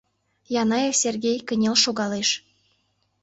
Янаев Сергей кынел шогалеш: